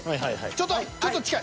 ちょっとちょっと近い。